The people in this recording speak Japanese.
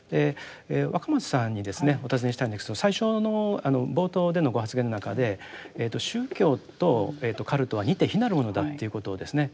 若松さんにお尋ねしたいんですけど最初の冒頭でのご発言の中で宗教とカルトは似て非なるものだということをですね